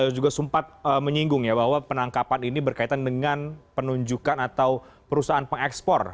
juga sempat menyinggung ya bahwa penangkapan ini berkaitan dengan penunjukan atau perusahaan pengekspor